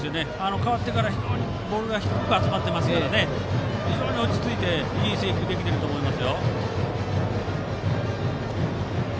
代わってからボールが低く集まっているので落ち着いていい制球ができていると思います。